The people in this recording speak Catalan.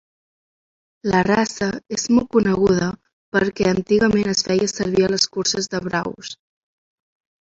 La raça és molt coneguda perquè antigament es feia servir a les curses de braus.